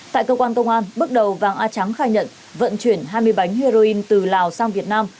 tại cơ quan công an bước đầu vàng a trắng khai nhận vận chuyển hai mươi bánh heroin từ lào sang việt nam